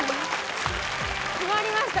決まりました